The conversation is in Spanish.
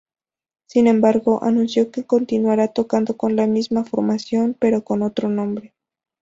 Sin embargo, anunció que continuarán tocando con la misma formación, pero con otro nombre.